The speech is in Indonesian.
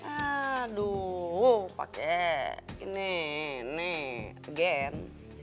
aduh pake gini gini again